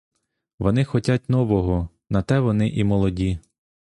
Вони хотять нового, на те вони і молоді.